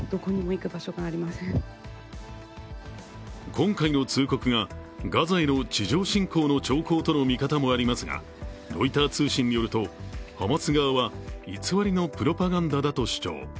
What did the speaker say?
今回の通告が、ガザへの地上侵攻の兆候との見方もありますがロイター通信によると、ハマス側は偽りのプロパガンダだと主張。